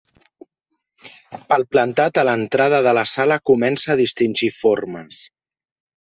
Palplantat a l'entrada de la sala comença a distingir formes.